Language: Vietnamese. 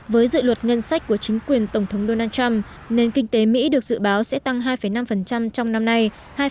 với dự luật ngân sách của chính quyền tổng thống donald trump nền kinh tế mỹ được dự báo sẽ tăng hai năm trong năm nay